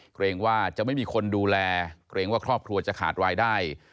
เกรงว่าจะไม่มีคนดูแลเกรงว่าครอบครัวจะขาดรายได้